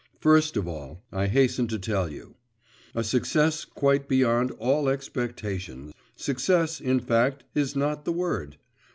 First of all, I hasten to tell you: a success quite beyond all expectation success, in fact, is not the word.